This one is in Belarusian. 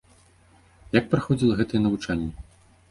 Як праходзіла гэтае навучанне?